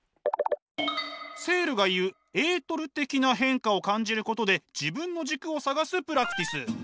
セールが言うエートル的な変化を感じることで自分の軸を探すプラクティス。